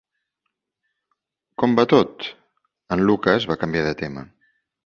"Com va tot?", en Lucas va canviar de tema.